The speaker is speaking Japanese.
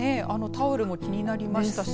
タオルも気になりましたし。